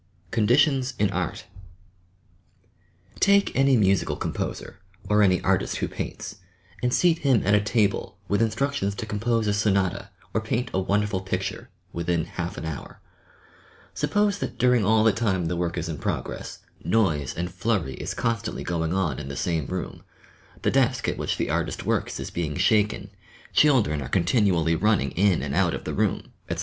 "conditions" in art Take any musical composer or any artist who paints, and seat him at a table with instructions to compose a sonata or paint a wonderful picture, within half an hour! Suppose that during all the time the work is in progress, noise and flurry is constantly going on in the same room, the desk at which the artist works is being shaken, children are continually running in and out of the room, etc.